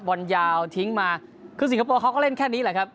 บอลยาวทิ้งมาคือสิงคโปร์เขาก็เล่นแค่นี้แหละครับ